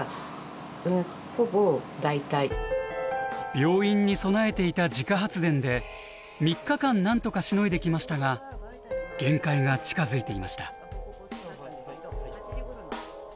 病院に備えていた自家発電で３日間なんとかしのいできましたが限界が近づいていました。